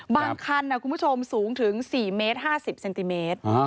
คันคุณผู้ชมสูงถึง๔เมตร๕๐เซนติเมตร